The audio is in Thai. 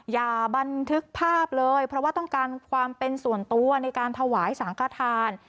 อย่าบันทึกภาพเลยเพราะว่าต้องการความเป็นส่วนตัวในการถวายสังขทาน